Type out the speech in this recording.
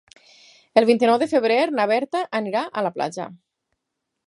El vint-i-nou de febrer na Berta anirà a la platja.